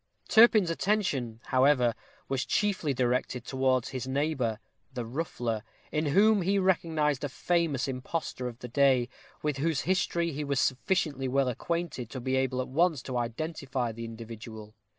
Turpin's attention, however, was chiefly directed towards his neighbor, the ruffler, in whom he recognized a famous impostor of the day, with whose history he was sufficiently well acquainted to be able at once to identify the individual.